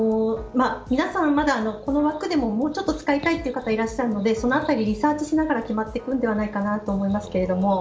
皆さんまだ、この枠でももうちょっと使いたいという方がいらっしゃるのでそのあたりリサーチしながら決まってくると思いますが。